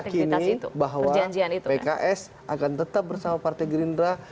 meyakini bahwa pks akan tetap bersama partai gerindra